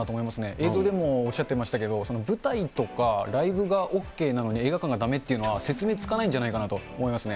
映像でもおっしゃっていましたけど、舞台とかライブがＯＫなのに、映画館がだめっていうのは説明つかないんじゃないかなと思いますね。